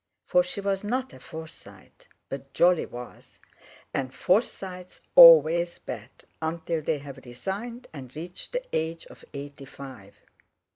For she was not a Forsyte, but Jolly was—and Forsytes always bat, until they have resigned and reached the age of eighty five.